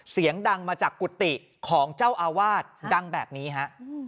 เสียงดังมาจากกุฏิของเจ้าอาวาสดังแบบนี้ฮะ